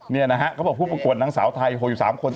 นี่นะครับเขาบอกผู้ประกวดนางสาวไทยโคยอยู่๓คน